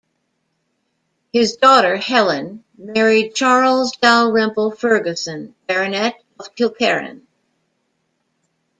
His daughter, Helen, married Charles Dalrymple Fergusson, Baronet of Kilkerran.